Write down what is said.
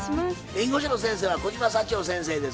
弁護士の先生は小島幸保先生です。